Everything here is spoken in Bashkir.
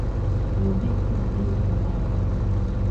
Ул бик тиҙ ир ҡорона инә.